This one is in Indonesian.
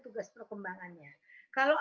tugas perkembangannya kalau